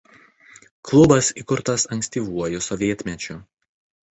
Klubas įkurtas ankstyvuoju sovietmečiu.